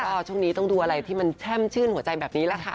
ก็ช่วงนี้ต้องดูอะไรที่มันแช่มชื่นหัวใจแบบนี้แหละค่ะ